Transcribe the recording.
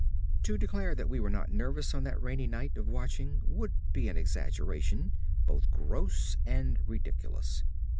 To declare that we were not nervous on that rainy night of watching would be an exaggeration both gross and ridiculous.